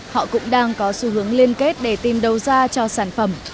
họ cũng đang có xu hướng liên kết để tìm đầu ra cho sản phẩm